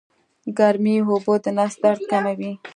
ګرمې اوبه د نس درد کموي